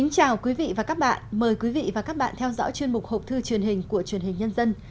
chào mừng quý vị đến với bộ phim học thư truyền hình của truyền hình nhân dân